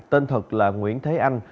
tên thật là nguyễn thế anh